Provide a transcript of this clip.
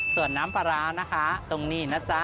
ส่วนน้ำปลาร้านะคะตรงนี้นะจ๊ะ